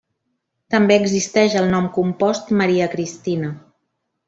També existeix el nom compost Maria Cristina.